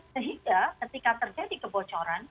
sehingga ketika terjadi kebocoran